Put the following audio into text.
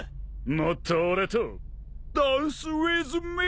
もっと俺とダンスウィズミー！